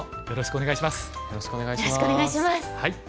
よろしくお願いします。